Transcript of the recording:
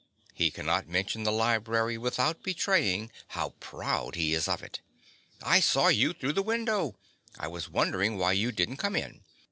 (He cannot mention the library without betraying how proud he is of it.) I saw you through the window. I was wondering why you didn't come in.